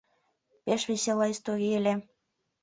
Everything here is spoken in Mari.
Пеш весела историй ыле!